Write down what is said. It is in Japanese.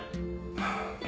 ハァ。